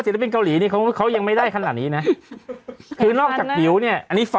สักครู่หนึ่งเดี๋ยวก่อนค่ะ